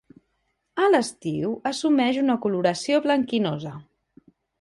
A l'estiu assumeix una coloració blanquinosa.